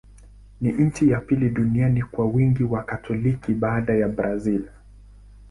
Ni nchi ya pili duniani kwa wingi wa Wakatoliki, baada ya Brazil.